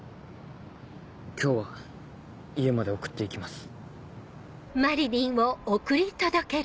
今日は家まで送って行きます。